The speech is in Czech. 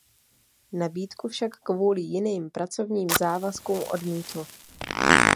Nabídku však kvůli jiným pracovním závazkům odmítl.